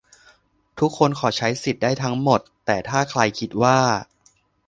ทุกคนขอใช้สิทธิ์ได้ทั้งหมด แต่ถ้าใครคิดว่า